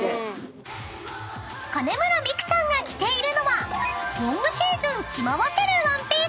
［金村美玖さんが着ているのはロングシーズン着回せるワンピース］